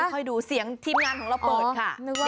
ค่อยดูเสียงทีมงานของเราเปิดค่ะ